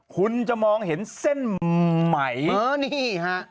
คุณจะมองเห็นเส้นไหมนี่ฮะ